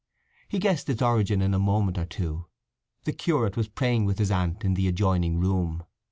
He guessed its origin in a moment or two; the curate was praying with his aunt in the adjoining room.